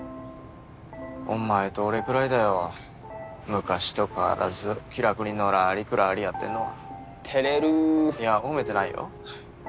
お前と俺くらいだよ昔と変わらず気楽にのらりくらりやってんのはてれるいや褒めてないよ